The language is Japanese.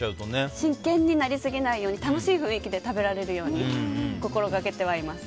真剣になりすぎないように楽しい雰囲気で食べられるように心がけています。